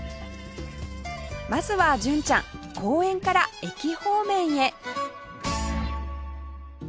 まずは純ちゃん公園から駅方面へ